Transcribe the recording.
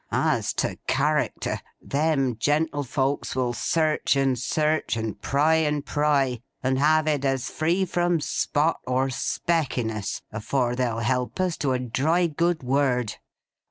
As to character, them gentlefolks will search and search, and pry and pry, and have it as free from spot or speck in us, afore they'll help us to a dry good word!